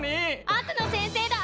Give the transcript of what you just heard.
悪の先生だ！